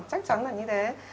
chắc chắn là như thế